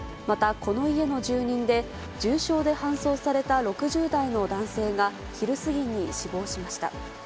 また、この家の住人で、重傷で搬送された６０代の男性が、昼過ぎに死亡しました。